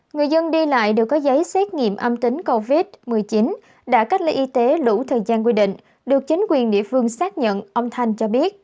người dân đi lại đều có giấy xét nghiệm âm tính covid một mươi chín đã cách ly y tế đủ thời gian quy định được chính quyền địa phương xác nhận ông thanh cho biết